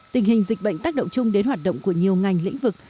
tình hình dịch bệnh tác động chung đến hoạt động của nhiều ngành lĩnh vực